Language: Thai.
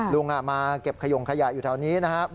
ลุงมาเก็บขยงขยะอยู่แถวนี้นะครับ